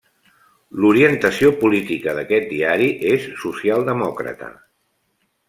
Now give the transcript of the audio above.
L'orientació política d'aquest diari és socialdemòcrata.